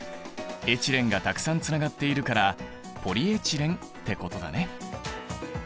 エチレンがたくさんつながっているからポリエチレンってことだね。